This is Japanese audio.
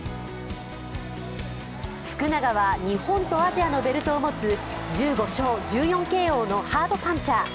福永は日本とアジアのベルトを持つ１５勝１４ＫＯのハードパンチャー。